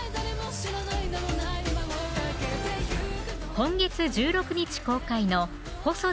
今月１６日公開の細田守監督